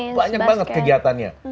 banyak banget kegiatannya